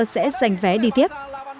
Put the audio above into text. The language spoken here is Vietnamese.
sẽ giành vé đi tiếp